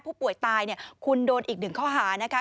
ผู้ป่วยตายคุณโดนอีกหนึ่งข้อหานะคะ